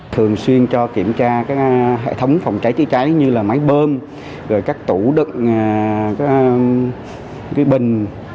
thường xuyên cho kiểm tra các hệ thống phòng cháy chữa cháy như là máy bơm các tủ đựng bình